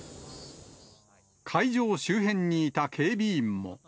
会場周辺にいた警備員も。